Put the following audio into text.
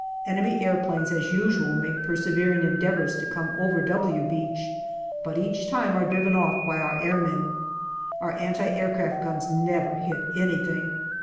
Enemy aeroplanes as usual make persevering endeavours to come over " W " Beach, but each time are driven off by our airmen. Our anti aircraft guns never hit anything.